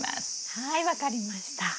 はい分かりました。